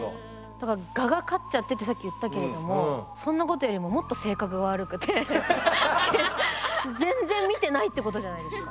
だから「我が勝っちゃって」ってさっき言ったけれどもそんなことよりももっと性格が悪くて全然見てないってことじゃないですか。